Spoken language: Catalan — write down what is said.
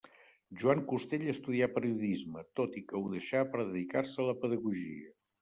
Joan Costell estudià periodisme, tot i que ho deixà per dedicar-se a la pedagogia.